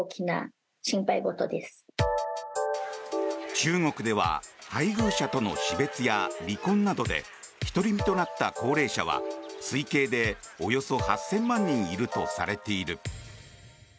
中国では配偶者との死別や離婚などで独り身となった高齢者は推計でおよそ８０００万人いるとされている。